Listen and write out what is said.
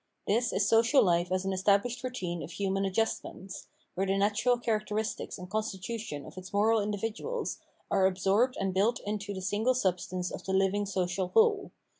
This is social life as an estab lished routine of human adjustments, where the natural characteristics and constitution of its moral individuals are absorbed and built into the single substance of the living social whole.